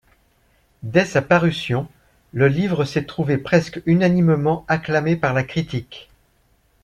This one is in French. Dès sa parution, le livre s'est trouvé presque unanimement acclamé par la critique.